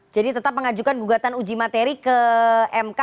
jadi tetap mengajukan gugatan uji materi ke mk